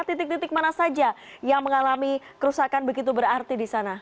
titik titik mana saja yang mengalami kerusakan begitu berarti di sana